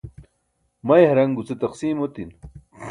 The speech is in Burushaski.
may haraṅ guce taqsiim otin